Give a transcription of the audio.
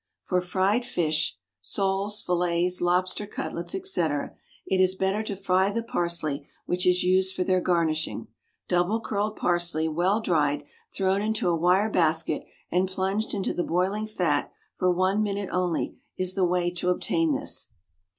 For fried fish soles, fillets, lobster cutlets, &c., it is better to fry the parsley which is used for their garnishing. Double curled parsley, well dried, thrown into a wire basket and plunged into the boiling fat, for one minute only, is the way to obtain this.